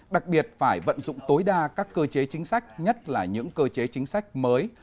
đặc biệt phải vận dụng tối đa các cơ chế chính sách nhất là những cơ chế chính sách mới